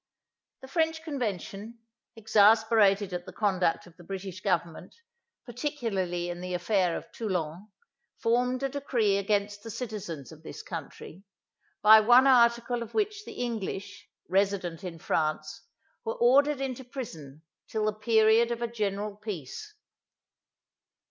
The French convention, exasperated at the conduct of the British government, particularly in the affair of Toulon, formed a decree against the citizens of this country, by one article of which the English, resident in France, were ordered into prison till the period of a general peace.